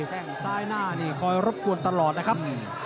แค่งซ้ายหน้านี่คอยรบกวนตลอดนะครับ